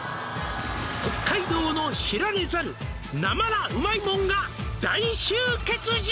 「北海道の知られざる」「なまらウマいもんが大集結じゃ！」